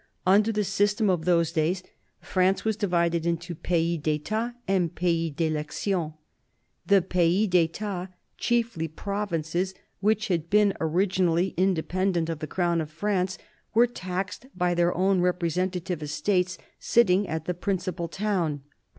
Under the system of those days, France was divided into pays d'etats and pays d' election. The pays d!etats — chiefly provinces which had been originally independent of the crown of France — were taxed by their own representative Estates, sitting at the principal town.